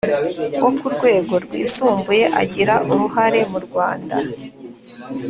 wo ku rwego rwisumbuye agira uruhare murwanda